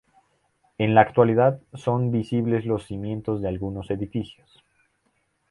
En la actualidad son visibles los cimientos de algunos edificios.